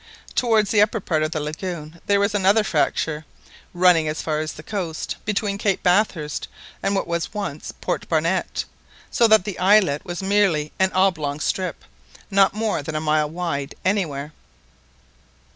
Towards the upper part of the lagoon there was another fracture, running as far as the coast, between Cape Bathurst and what was once Port Barnett, so that the islet was merely an oblong strip, not more than a mile wide anywhere.